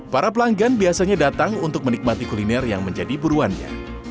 para pelanggan biasanya datang untuk menikmati kuliner yang menjadi buruannya